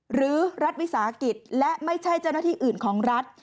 หรือรัฐวิสาหกิจและไม่ใช่เจ้าหน้าที่อื่นของรัฐ